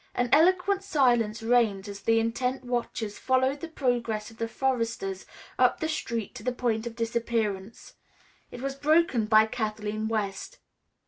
An eloquent silence reigned as the intent watchers followed the progress of the foresters up the street to the point of disappearance. It was broken by Kathleen West.